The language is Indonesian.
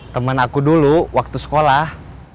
teman aku dulu waktu sekolah